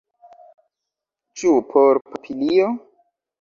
Ĉu por papilio?